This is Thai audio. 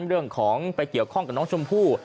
เรื่องของไปเกี่ยวข้องกับน้องชมพู่